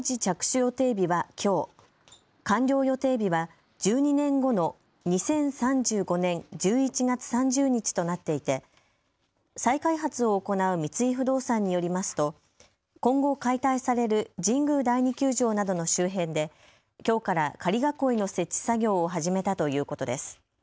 予定日はきょう、完了予定日は１２年後の２０３５年１１月３０日となっていて再開発を行う三井不動産によりますと今後、解体される神宮第二球場などの周辺できょうから仮囲いの設置作業を始めたということです。